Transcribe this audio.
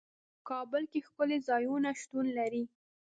کابل کې ښکلي ځايونه شتون لري.